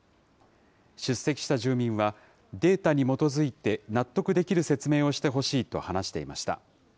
出席した住民は、データに基づいて納得できる説明をしてほしいと話していました。